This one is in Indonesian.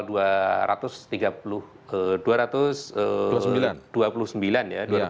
dua ratus tiga puluh dua ratus dua puluh sembilan dua puluh sembilan ya